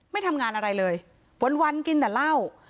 ไม่ทำงานอะไรเลยวันกินแต่เหล้า